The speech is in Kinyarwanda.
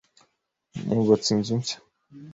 Nubatse inzu nshya.